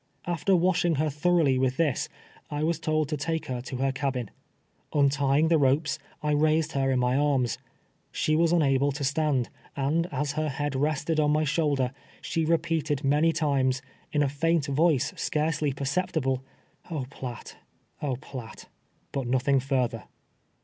After washing her thoroughly with this, I was told to take her to her cabin. Untying the ropes, I raised her in my arms. She was unable to stand, and as her head rested on my shoulder, she repeated ma ny times, in a faint voice scarcely perceptible, " Oh, Piatt — oh, Piatt !" but nothing further.